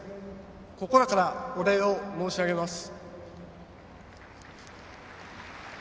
心からお礼を申し上げます。